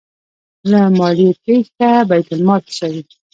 له مالیې تیښته بیت المال تشوي.